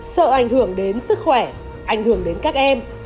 sợ ảnh hưởng đến sức khỏe ảnh hưởng đến các em